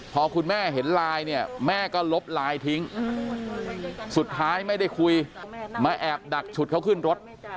พอคุณแม่เห็นไลน์เนี่ยแม่ก็ลบไลน์ทิ้งสุดท้ายไม่ได้คุยมาแอบดักฉุดเขาขึ้นรถ